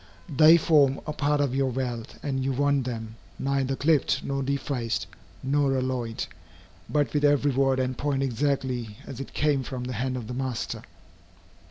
They form a part of your wealth, and you want them, neither clipped, nor defaced, nor alloyed, but with every word and point exactly as it came from the hand of the master.